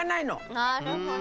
なるほど。